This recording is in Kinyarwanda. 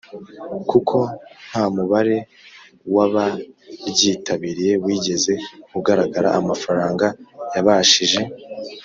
Kuko nta mubare w abaryitabiriye wigeze ugaragara amafaranga yabashije